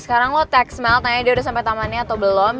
sekarang lo textmail tanya dia udah sampe tamannya atau belum